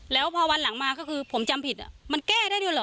แล้วพอวันหลังมาก็คือผมจำผิดมันแก้ได้ด้วยเหรอ